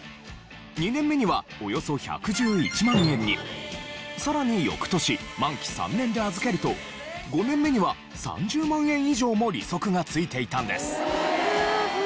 ２年目にはおよそ１１１万円にさらに翌年満期３年で預けると５年目には３０万円以上も利息がついていたんです。